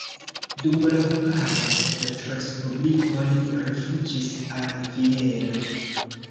Dum la Hungara Sovetrespubliko li rifuĝis al Vieno.